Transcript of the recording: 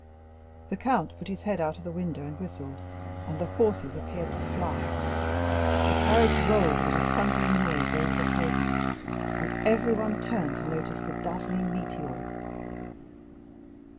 The count put his head out of the window and whistled, and the horses appeared to fly. The carriage rolled with a thundering noise over the pavement, and everyone turned to notice the dazzling meteor.